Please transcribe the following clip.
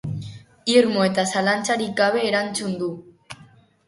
Irmo eta zalantzarik gabe erantzun du.